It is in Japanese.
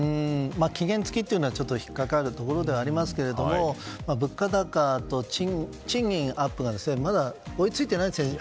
期限付きというのはちょっと引っかかるところですが物価高と賃金アップがまだ追いついていないんですよね